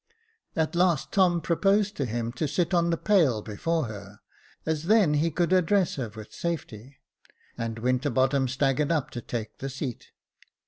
At last Tom proposed to him to sit on the pail before her, as then he could address her with safety ; and Winterbottom staggered up to take the seat.